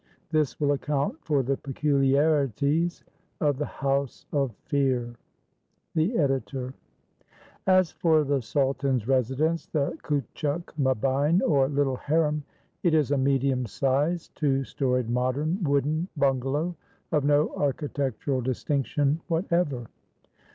This will account for the peculiarities of the "House of Fear." The Editor.] As for the sultan's residence, the Kutchuk Mahem, or Little Harem, it is a medium sized, two storied, modern, wooden bungalow of no architectural distinction what ever.